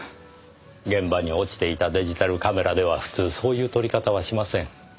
現場に落ちていたデジタルカメラでは普通そういう撮り方はしません。